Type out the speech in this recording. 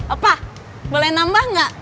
apa boleh nambah gak